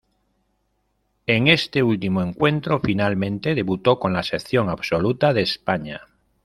En este último encuentro, finalmente, debutó con la selección absoluta de España.